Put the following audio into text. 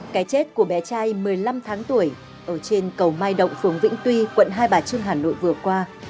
cái chết của bé trai một mươi năm tháng tuổi ở trên cầu mai động phường vĩnh tuy quận hai bà trưng hà nội vừa qua